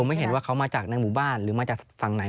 ไม่เห็นว่าเขามาจากในหมู่บ้านหรือมาจากฝั่งไหน